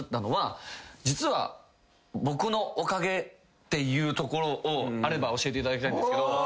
っていうところをあれば教えていただきたいんですけど。